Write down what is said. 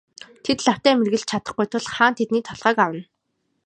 Тэд лавтай мэргэлж чадахгүй тул хаан тэдний толгойг авна.